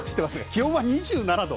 気温は２７度。